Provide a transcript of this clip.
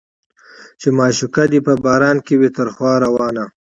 چې معشوقه دې په باران کې وي تر خوا روانه